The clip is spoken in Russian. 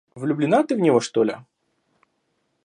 Влюблена ты в него, что ли?